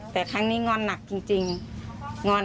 แต่ครั้งนี้งอนหนักจริงงอน